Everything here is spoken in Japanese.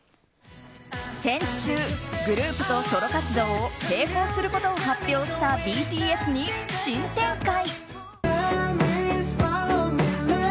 先週、グループとソロ活動を並行することを発表したＢＴＳに新展開。